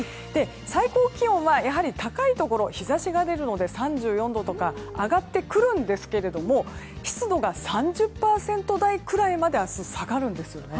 最高気温はやはり高いところ日差しが出るので３４度とか上がってくるんですが湿度が３０％台ぐらいまで明日下がるんですね。